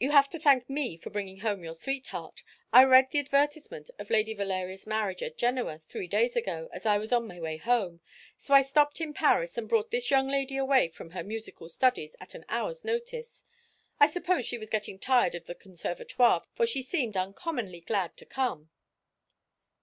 "You have to thank me for bringing home your sweetheart. I read the advertisement of Lady Valeria's marriage at Genoa three days ago, as I was on my way home; so I stopped in Paris, and brought this young lady away from her musical studies at an hour's notice. I suppose she was getting tired of the Conservatoire, for she seemed uncommonly glad to come."